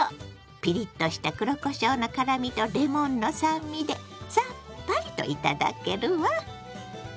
ピリッとした黒こしょうの辛みとレモンの酸味でさっぱりと頂けるわ。